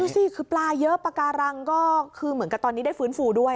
สิคือปลาเยอะปากการังก็คือเหมือนกับตอนนี้ได้ฟื้นฟูด้วย